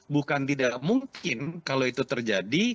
bukan tidak mungkin kalau itu terjadi